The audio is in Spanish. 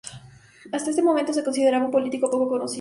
Hasta ese momento se consideraba un político poco conocido.